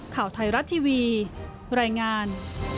ข่าวไทยรัฐทีวีรายงาน